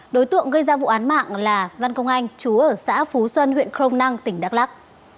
đối tượng gây ra vụ án mạng là văn công anh chú ở xã phú xuân huyện crong năng tỉnh đắk lắc